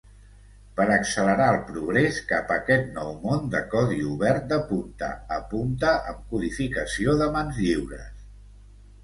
Per accelerar el progrés cap a aquest nou món de codi obert de punta a punta amb codificació de mans lliures.